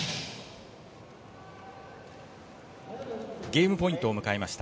ゲームポイントを迎えました。